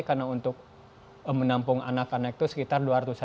karena untuk menampung anak anak itu sekitar dua tahun